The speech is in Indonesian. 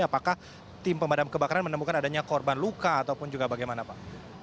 apakah tim pemadam kebakaran menemukan adanya korban luka ataupun juga bagaimana pak